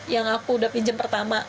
yang aku udah pinjam pertama